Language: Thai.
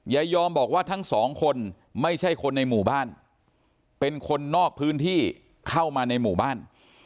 ยายอมบอกว่าทั้งสองคนไม่ใช่คนในหมู่บ้านเป็นคนนอกพื้นที่เข้ามาในหมู่บ้าน